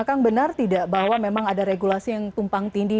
kang benar tidak bahwa memang ada regulasi yang tumpang tindih